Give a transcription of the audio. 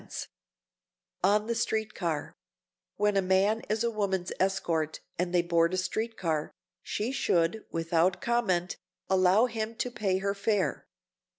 [Sidenote: ON THE STREET CAR] When a man is a woman's escort and they board a street car, she should, without comment, allow him to pay her fare.